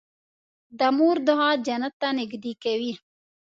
د مور دعا جنت ته نږدې کوي.